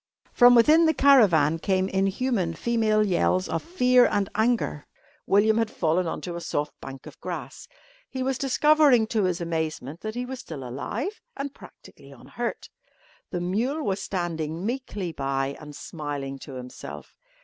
From within the caravan came inhuman female yells of fear and anger. William had fallen on to a soft bank of grass. He was discovering, to his amazement, that he was still alive and practically unhurt. The mule was standing meekly by and smiling to himself.